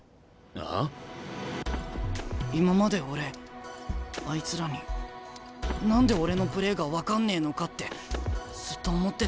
今まで俺あいつらに何で俺のプレーが分かんねえのかってずっと思ってたよ。